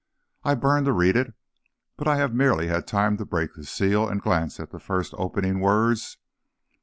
I burn to read it, but I have merely had time to break the seal and glance at the first opening words.